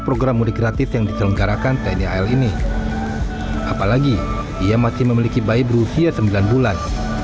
program mudik gratis yang diselenggarakan tni al ini apalagi ia masih memiliki bayi berusia sembilan bulan